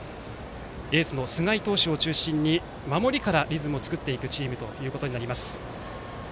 エースの菅井投手を中心に守りからリズムを作っていくチームということになります。